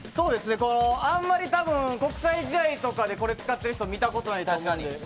あまり国際試合とかでこれを使っている人は見たことないと思うんで。